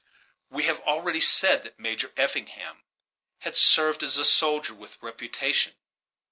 We have already said that Major Effingham had served as a soldier with reputation.